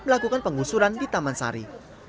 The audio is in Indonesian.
melakukan pengusuran di taman sari